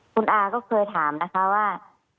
คุณอาก็เคยถามนะคะว่า